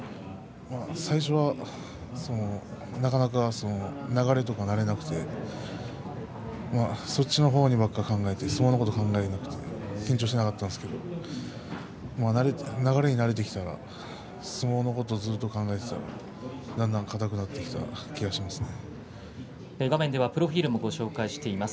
最初はなかなか流れとか慣れなくてそっちのほうにばかり考えて相撲のことを考えていないので緊張しなかったんですけれど流れに慣れてきたら相撲のことをずっと考えていてだんだん硬くなってきた画面ではプロフィールをご紹介しています。